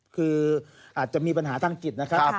คืออาจจะมีปัญหาทางจิตนะครับ